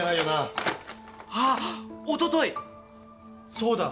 そうだ。